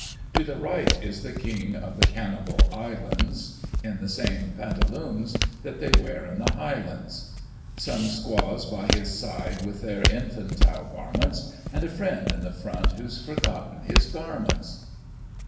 To the right, is the King of the Cannibal Islands, In the same pantaloons that they wear in the Highlands Some squaws by his side, with their infantile varments. And a friend, in the front, who's forgotten his garments.